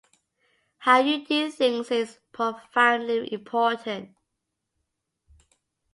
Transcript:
How you do things is profoundly important.